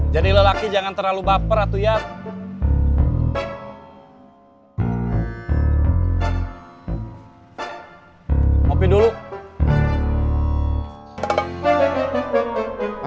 tapi kalau takdirnya ternyata dia jodoh saya